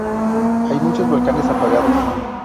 Hay muchos volcanes apagados.